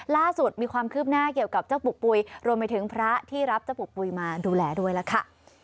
ล่าสุดมีความคืบหน้าเกี่ยวกับเจ้าปู่ปุ๋ยรวมไปถึงพระที่รับเจ้าปู่ปุ๋ยมาดูแลด้วยล่ะค่ะ